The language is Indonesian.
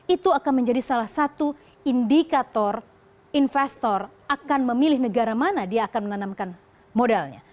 itu akan menjadi salah satu indikator investor akan memilih negara mana dia akan menanamkan modalnya